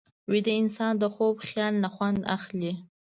ویده انسان د خوب خیال نه خوند اخلي